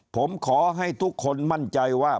ผมขอให้ทุกคนมั่นใจว่า